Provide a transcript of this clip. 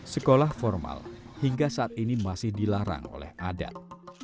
sekolah formal hingga saat ini masih dilarang oleh adat